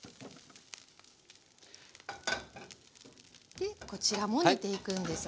でこちらも煮ていくんですね。